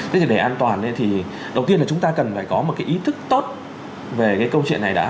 thế thì để an toàn thì đầu tiên là chúng ta cần phải có một cái ý thức tốt về cái câu chuyện này đã